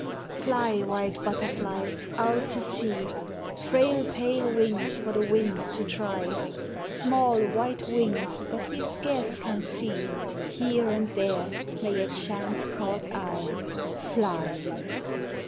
Fly, white butterflies, out to sea, Frail pale wings for the winds to try; Small white wings that we scarce can see Here and there may a chance caught eye Fly.